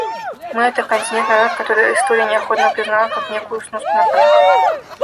Мы — это континент и народ, которые история неохотно признала как некую сноску на полях.